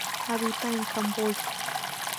Habita en Camboya.